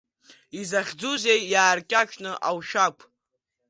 Изахьӡузеи иааркьаҿны аушәақә?